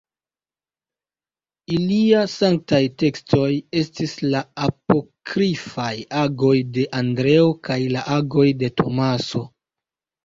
Ilia sanktaj tekstoj estis la apokrifaj Agoj de Andreo kaj la Agoj de Tomaso.